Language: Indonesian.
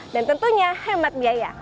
dan tentunya hemat biaya